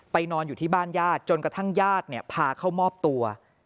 นอนอยู่ที่บ้านญาติจนกระทั่งญาติพาเข้ามอบตัว